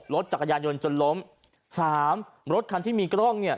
รถจักรยานยนต์จนล้มสามรถคันที่มีกล้องเนี่ย